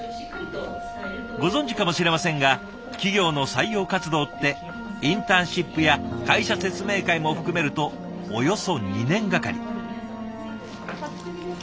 ご存じかもしれませんが企業の採用活動ってインターンシップや会社説明会も含めるとおよそ２年がかり。